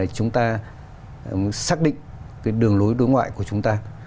chúng ta xác định cái đường lối đối ngoại của chúng ta